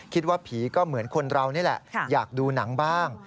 คิดว่าผีก็เหมือนคนเรานี่แหละอยากดูหนังบ้าง